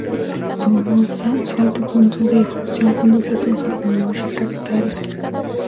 Su alto punto de fusión conduce a su uso como un refractario.